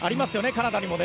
カナダにもね。